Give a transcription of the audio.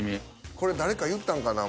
これ誰か言ったんかな？